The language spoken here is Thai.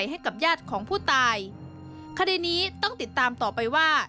ให้กับญาติของผู้ตายคดีนี้ต้องติดตามต่อไปว่า